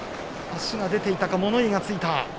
足が出ていたか、物言いがついた。